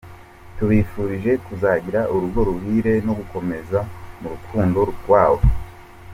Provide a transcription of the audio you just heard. Tubifurije kuzagira urugo ruhire, no gukomeza mu rukundo rwabo.